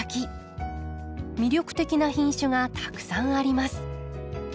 魅力的な品種がたくさんあります。